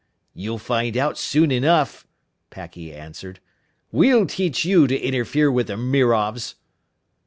"You'll find out soon enough!" Packy answered. "We'll teach you to interfere with the Mirovs!"